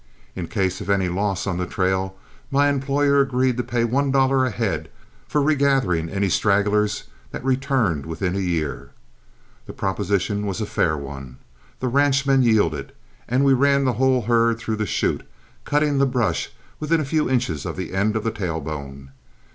In case of any loss on the trail my employer agreed to pay one dollar a head for regathering any stragglers that returned within a year. The proposition was a fair one, the ranchmen yielded, and we ran the whole herd through the chute, cutting the brush within a few inches of the end of the tail bone.